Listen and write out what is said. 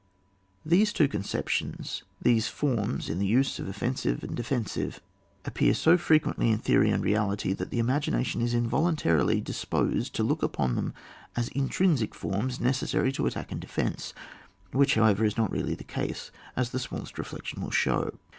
These two conceptions, these forms in the use of offensive and defensive, appear so frequently in theory and reality, that the imagination is involuntarily disposed to look upon them as intrinsic forms, neces sary to attack and defence, which, how ever, is not really the case, as the smallest reflection will show.